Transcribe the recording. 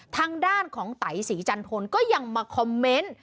ทางด้านของไตศรีจันทนก็ยังมาคอมเมนต์